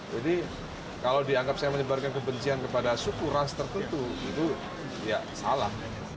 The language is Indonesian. jadi kalau dianggap saya menyebarkan kebencian kepada suku ras tertentu itu ya salah